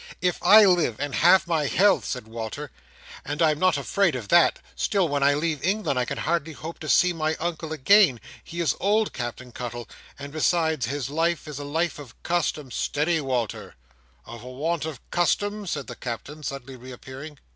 "If I live and have my health," said Walter, "and I am not afraid of that, still, when I leave England I can hardly hope to see my Uncle again. He is old, Captain Cuttle; and besides, his life is a life of custom—" "Steady, Wal"r! Of a want of custom?" said the Captain, suddenly reappearing.